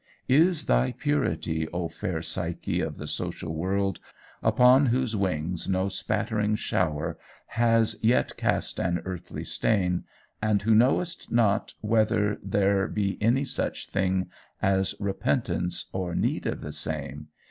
Is thy purity, O fair Psyche of the social world, upon whose wings no spattering shower has yet cast an earthy stain, and who knowest not yet whether there be any such thing as repentance or need of the same!